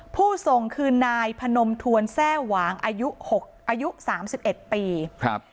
ผู้ส่งคือนายพนมทวนแทร่หวางอายุหกอายุสามสิบเอ็ดปีครับ